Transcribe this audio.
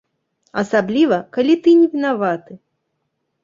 Асабліва, калі ты не вінаваты.